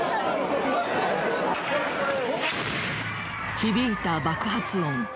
響いた爆発音。